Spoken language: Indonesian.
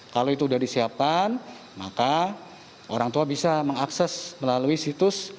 kalau itu sudah disiapkan maka orang tua bisa mengakses melalui situs